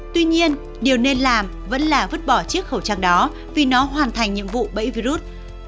tuy nhiên điều nên làm vẫn là vứt bỏ chiếc khẩu trang đó vì nó hoàn thành nhiệm vụ bẫy virus